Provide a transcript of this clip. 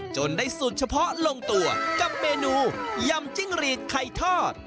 จนได้สูตรเฉพาะลงตัวกับเมนูยำจิ้งหรีดไข่ทอด